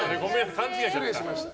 勘違いしちゃった。